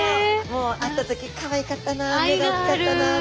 会った時かわいかったな目がおっきかったなって。